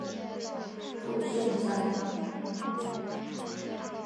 顾顺章。